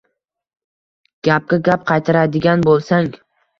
Gapga gap qaytaradigan bo‘lsang